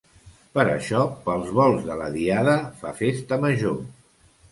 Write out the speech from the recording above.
Per això, pels volts de la diada fa festa major.